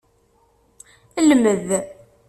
Lmed!